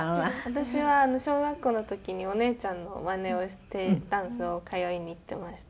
私は小学校の時にお姉ちゃんのまねをしてダンスを通いに行ってました。